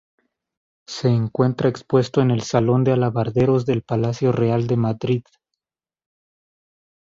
Se encuentra expuesto en el Salón de alabarderos del Palacio Real de Madrid.